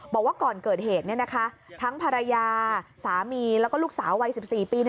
บอกว่าก่อนเกิดเหตุทั้งภรรยาสามีแล้วก็ลูกสาววัย๑๔ปี